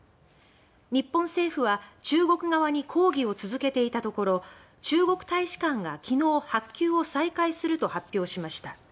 日本政府は中国側に抗議を続けていたところ中国大使館が昨日発給を再開すると発表しました。